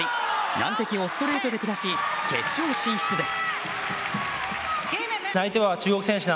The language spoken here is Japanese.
難敵もストレートで下し決勝進出です。